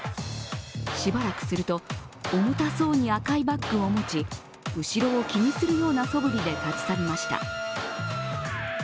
しばらくすると、重たそうに赤いバッグを持ち、後ろを気にするようなそぶりで立ち去りました。